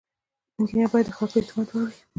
انجینر باید د خلکو د اعتماد وړ وي.